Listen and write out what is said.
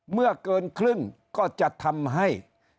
เมื่อเกินครึ่งก็จะทำให้